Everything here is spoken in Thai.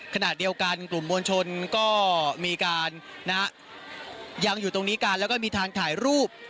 ขณะเดียวกันกลุ่มมวลชนก็มีการยังอยู่ตรงนี้กันแล้วก็มีทางถ่ายรูป